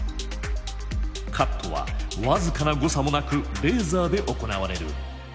カットは僅かな誤差もなくレーザーで行われる。